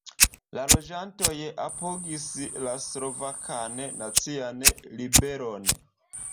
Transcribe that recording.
La loĝantoj apogis la Slovakan Nacian Ribelon.